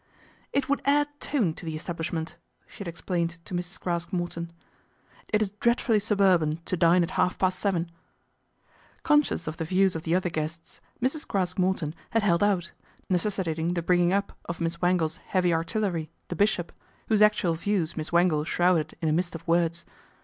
" It would add tone to the establishment," she had explained to Mrs. Craske Morton. " It is dreadfully suburban to dine at half past seven." Conscious of the views of the other guests, Mrs. Craske Morton had held out, necessitating the bringing up of Miss Wangle's heavy artillery, the bishop, whose actual views Miss Wangle shrouded in a mist of words.